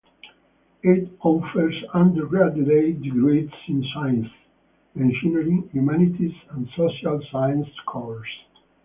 It offers undergraduate degrees in science, engineering, humanities, and social science courses.